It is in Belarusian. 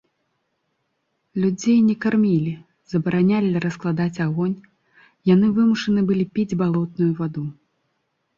Людзей не кармілі, забаранялі раскладаць агонь, яны вымушаны былі піць балотную ваду.